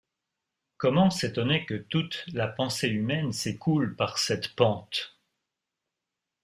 Comment s’étonner que toute la pensée humaine s’écoule par cette pente?